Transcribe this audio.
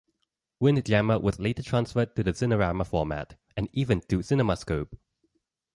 "Windjammer" was later transferred to the Cinerama format, and even to Cinemascope.